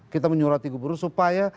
kita menyuruh gubernur supaya